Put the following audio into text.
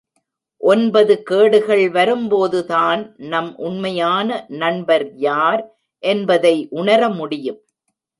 ஒன்பது கேடுகள் வரும்போதுதான் நம் உண்மையான நண்பர் யார் என்பதை உணர முடியும்.